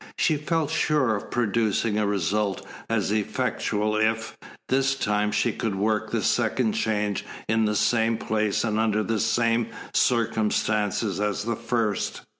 She felt sure of producing a result as effectual if, this time, she could work the second change in the same place and under the same circumstances as the first.